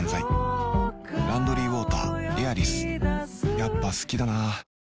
やっぱ好きだな